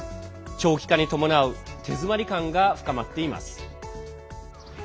長期化に伴う手詰まり感が深まっています。